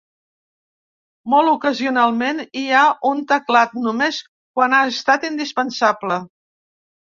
Molt ocasionalment hi ha un teclat, només quan ha estat indispensable.